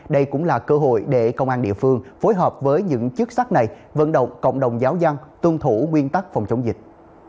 đây cũng là cơ hội để công an địa phương phối hợp với những chức sắc này vận động cộng đồng giáo dân tuân thủ nguyên tắc phòng chống dịch